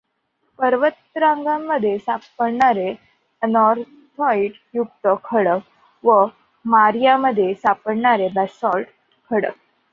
पर्वतरांगांमध्ये सापडणारे अनॉर्थाईट युक्त खडक व मारिया मध्ये सापडणारे बॅसॉल्ट खडक.